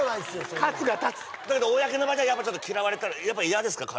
それカツが立つやっぱちょっと嫌われたらやっぱ嫌ですか？